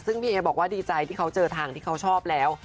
ซึ่งพี่เอบอกว่าดีใจที่เขาเจอทางที่เขาชอบแล้ว